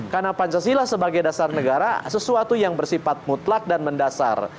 karena pancasila sebagai dasar negara sesuatu yang bersifat mutlak dan mendasar